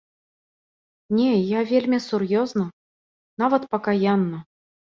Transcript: Не, я вельмі сур'ёзна, нават пакаянна.